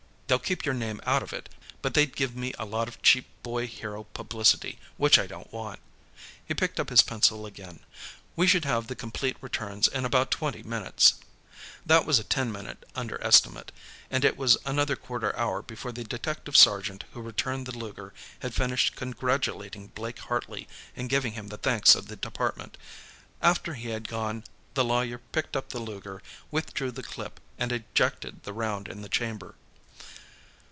They'll keep your name out of it, but they'd give me a lot of cheap boy hero publicity, which I don't want." He picked up his pencil again. "We should have the complete returns in about twenty minutes." That was a ten minute under estimate, and it was another quarter hour before the detective sergeant who returned the Luger had finished congratulating Blake Hartley and giving him the thanks of the Department. After he had gone, the lawyer picked up the Luger, withdrew the clip, and ejected the round in the chamber.